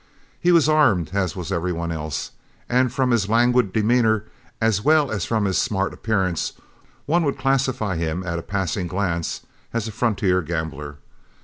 He was armed, as was every one else, and from his languid demeanor as well as from his smart appearance, one would classify him at a passing glance as a frontier gambler.